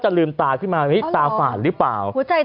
ลืมตาขึ้นมาตาฝาดหรือเปล่า